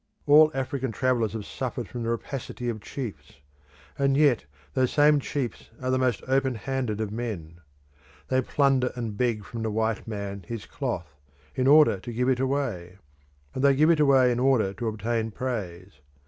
All African travellers have suffered from the rapacity of chiefs, and yet those same chiefs are the most open handed of men. They plunder and beg from the white man his cloth, in order to give it away; and they give it away in order to obtain praise.